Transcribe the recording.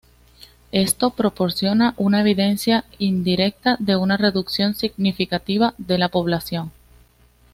Esto proporciona una evidencia indirecta de una reducción significativa de la población.